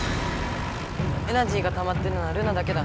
エナジーがたまってるのはルナだけだ。